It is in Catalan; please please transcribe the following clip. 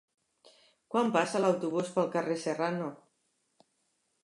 Quan passa l'autobús pel carrer Serrano?